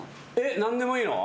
何でもいいの？